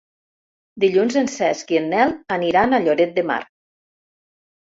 Dilluns en Cesc i en Nel aniran a Lloret de Mar.